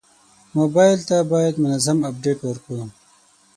موبایل ته باید منظم اپډیټ ورکړو.